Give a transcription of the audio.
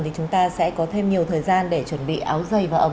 thì chúng ta sẽ có thêm nhiều thời gian để chuẩn bị áo dày và ống